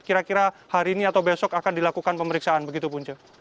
kira kira hari ini atau besok akan dilakukan pemeriksaan begitu punca